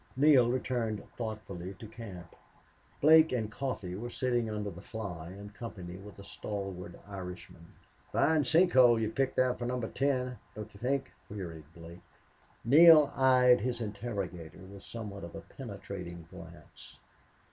Neale returned thoughtfully to camp. Blake and Coffee were sitting under the fly in company with a stalwart Irishman. "Fine sink hole you picked out for Number Ten, don't you think?" queried Blake. Neale eyed his interrogator with somewhat of a penetrating glance.